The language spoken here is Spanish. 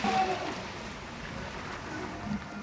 En su libro: Del Bisonte a la Realidad virtual.